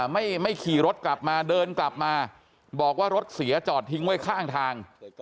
ไม่ขี่รถกลับมาเดินกลับมาบอกว่ารถเสียจอดทิ้งไว้ข้างทาง